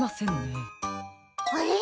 あれ？